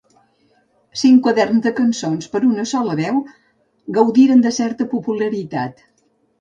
Cinc quaderns de cançons per a una sola veu gaudiren de certa popularitat.